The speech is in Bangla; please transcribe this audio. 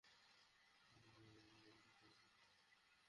অতঃপর সামনের অপর দাঁতটি দিয়ে দ্বিতীয় আংটাটি কামড়ে ধরলেন ও তা তুলে ফেললেন।